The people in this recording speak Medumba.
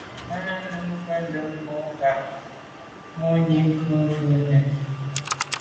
Náná nǔm jə́də́ bû mû ŋgā mwà’nì nyɔ̌ ŋkə̂mjvʉ́ ká nɛ̂n.